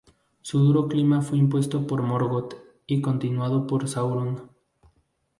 Su duro clima fue impuesto por Morgoth y continuado por Sauron.